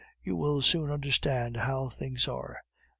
You will soon understand how things are.